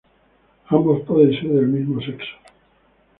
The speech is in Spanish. Ambos pueden ser del mismo sexo.